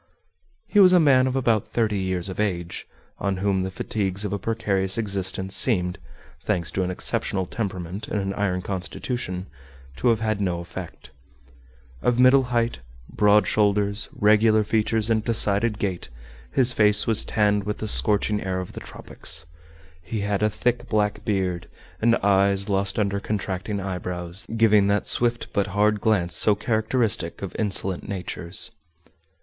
He was a man of about thirty years of age, on whom the fatigues of a precarious existence seemed, thanks to an exceptional temperament and an iron constitution, to have had no effect. Of middle height, broad shoulders, regular features, and decided gait, his face was tanned with the scorching air of the tropics. He had a thick black beard, and eyes lost under contracting eyebrows, giving that swift but hard glance so characteristic of insolent natures.